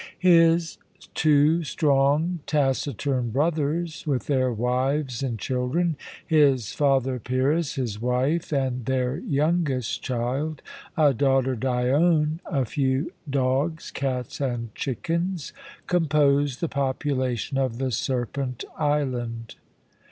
His two strong, taciturn brothers, with their wives and children, his father Pyrrhus, his wife and their youngest child, a daughter, Dione, a few dogs, cats, and chickens, composed the population of the Serpent Island.